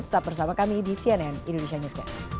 tetap bersama kami di cnn indonesia newscast